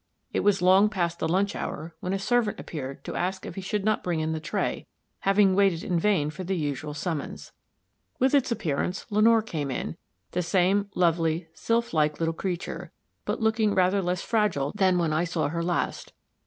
It was long past the lunch hour when a servant appeared to ask if he should not bring in the tray, having waited in vain for the usual summons. With its appearance Lenore came in, the same lovely, sylph like little creature, but looking rather less fragile than when I saw her last.